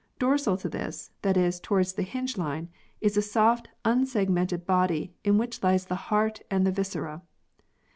Dorsal to this, that is towards the hinge line, is a soft unsegmented body in which lies the heart and the viscera.